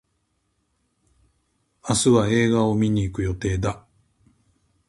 明日は映画を観に行く予定だ。